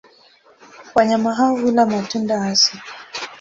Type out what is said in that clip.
Wanyama hao hula matunda hasa.